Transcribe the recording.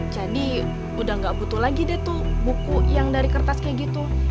jadi udah gak butuh lagi deh tuh buku yang dari kertas kayak gitu